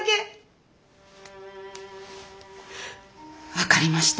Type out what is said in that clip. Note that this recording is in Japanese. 分かりました。